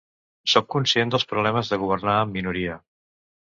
Sóc conscient dels problemes de governar amb minoria.